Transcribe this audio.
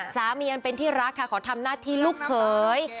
อันเป็นที่รักค่ะขอทำหน้าที่ลูกเขย